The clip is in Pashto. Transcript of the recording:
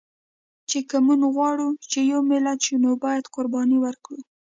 چې که مونږ غواړو چې یو ملت شو، نو باید قرباني ورکړو